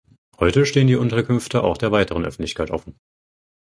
Heute stehen die Unterkünfte auch der weiteren Öffentlichkeit offen.